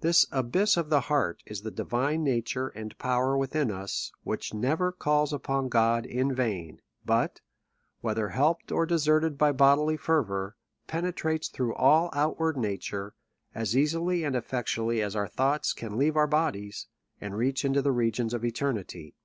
This abyss of tlie heart is the divine nature and power within us, which never calls upon God in vain; but, whether helped or deserted by bodily fer vour, penetrates through ail outward nature, as easily and elfectually as our thoughts can leave onr bodies_, and reach into the regions of eternity.